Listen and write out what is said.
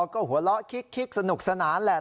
ก็หัวเราะคิกสนุกสนานแหละ